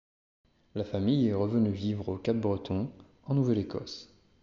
La famille est revenue vivre au Cap-Breton, en Nouvelle-Écosse.